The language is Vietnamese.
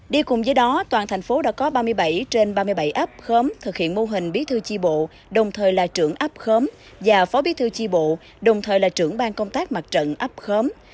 đi cùng với đó toàn thành phố đã có ba mươi bảy trên ba mươi bảy áp khóm thực hiện mô hình bí thư chi bộ đồng thời là trưởng áp khóm và phó bí thư chi bộ đồng thời là trưởng ban công tác mặt trận áp khóm